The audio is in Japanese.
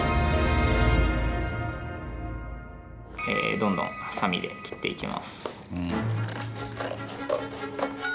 どんどんハサミで切っていきます。